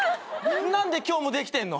何で今日もできてんの？